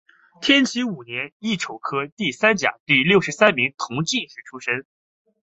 天启五年乙丑科第三甲第六十三名同进士出身。